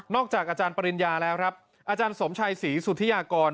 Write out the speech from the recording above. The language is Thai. จากอาจารย์ปริญญาแล้วครับอาจารย์สมชัยศรีสุธิยากร